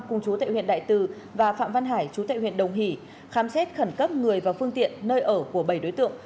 cùng chú tại huyện đại từ và phạm văn hải chú tệ huyện đồng hỷ khám xét khẩn cấp người và phương tiện nơi ở của bảy đối tượng